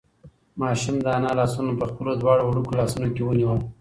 ماشوم د انا لاسونه په خپلو دواړو وړوکو لاسونو کې ونیول.